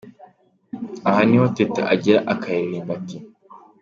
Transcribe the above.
Aha niho Teta agera akaririmba ati:.